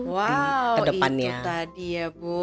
wow itu tadi ya bu